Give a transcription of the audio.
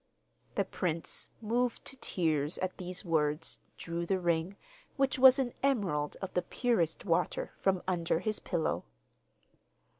The prince, moved to tears at these words, drew the ring, which was an emerald of the purest water, from under his pillow.